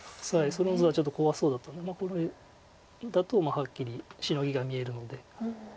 その図はちょっと怖そうだったのでこれだとはっきりシノギが見えるので。